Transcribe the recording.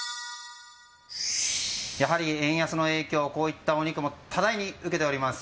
やはり円安の影響こういったお肉も多大に受けております。